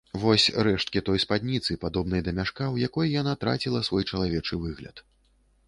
Вось рэшткі той спадніцы, падобнай да мяшка, у якой яна траціла свой чалавечы выгляд.